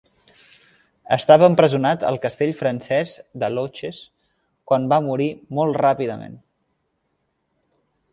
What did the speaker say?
Estava empresonat al castell francès de Loches, quan va morir molt ràpidament.